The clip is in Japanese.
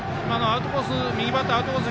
右バッターのアウトコース